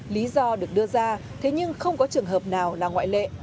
lý do được đưa ra thế nhưng không có trường hợp nào là ngoại lệ